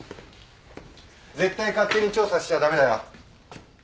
絶対勝手に調査しちゃ駄目だよ。